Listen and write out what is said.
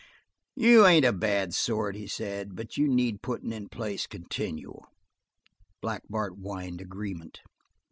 "You ain't a bad sort," he said, "but you need puttin' in place continual." Black Bart whined agreement.